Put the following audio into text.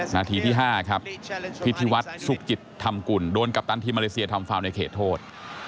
นาทีที่๕ครับพิธีวัฒน์สุขจิตธรรมกุลโดนกัปตันทีมมาเลเซียทำฟาวในเขตโทษ